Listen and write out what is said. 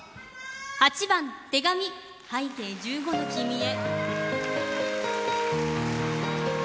８番「手紙拝啓十五の君へ」。